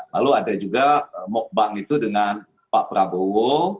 lalu ada juga mukbang itu dengan pak prabowo